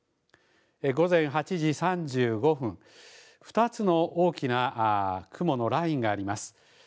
午前８時３５分、２つの大きな雲のラインがあります。